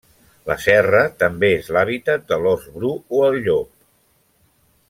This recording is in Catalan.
La serra també és l'hàbitat de l'ós bru o el llop.